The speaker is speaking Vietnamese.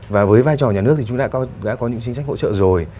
và với vai trò nhà nước thì chúng ta đã có những chính sách hỗ trợ rồi